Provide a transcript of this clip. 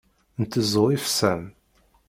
Nteẓẓu ifsan.